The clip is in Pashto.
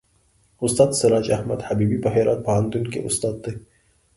استاد سراج احمد حبیبي په هرات پوهنتون کې استاد دی.